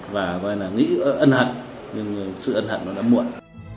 và nghĩ ơn hận nhưng sự ơn hận đã muộn